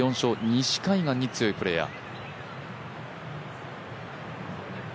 西海岸に強いプレーヤー。